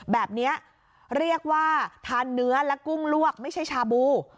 แบบนี้เรียกว่าทานเนื้อและกุ้งลวกไม่ใช่ชาบู